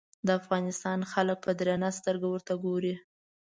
د افغانستان خلک په درنه سترګه ورته ګوري.